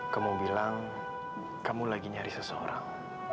kamu bilang kamu lagi nyari seseorang